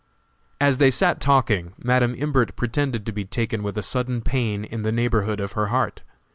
As they sat talking Madam Imbert pretended to be taken with a sudden pain in the neighborhood of her heart.